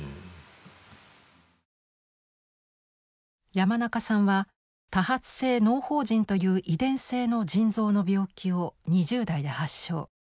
山中さんは多発性のう胞腎という遺伝性の腎臓の病気を２０代で発症。